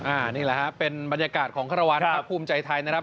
นี่แหละครับเป็นบรรยากาศของภูมิใจไทยนะครับ